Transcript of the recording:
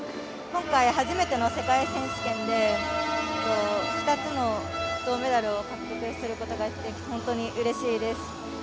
今回、初めての世界選手権で２つの銅メダルを獲得することができて本当にうれしいです。